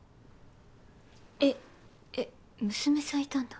えっえ娘さんいたんだ。